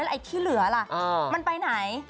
ไอ้ที่เหลือล่ะมันไปไหน